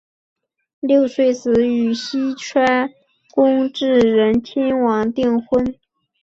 六岁时与有栖川宫炽仁亲王订婚。